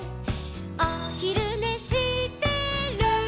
「おひるねしてる」